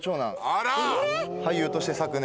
あら！